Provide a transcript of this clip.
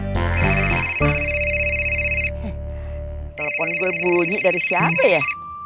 telepon gue bunyi dari siapa ya